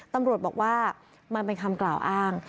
ตำรวจบอกว่ามันเป็นคำกล่าวอ้าง